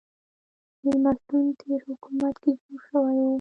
مېلمستون تېر حکومت کې جوړ شوی و.